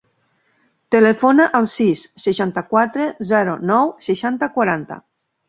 Telefona al sis, seixanta-quatre, zero, nou, seixanta, quaranta.